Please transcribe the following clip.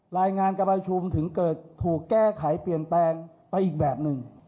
รายงานการประชุมถึงเกิดถูกแก้ไขเปลี่ยนแปลงไปอีกแบบหนึ่ง